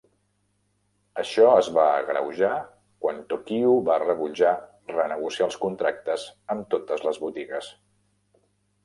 Això es va agreujar quan Tokyu va rebutjar renegociar els contractes amb totes les botigues.